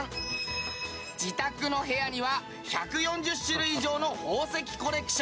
自宅の部屋には１４０種類以上の宝石コレクション。